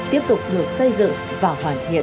tiếp tục được xây dựng và hoàn thiện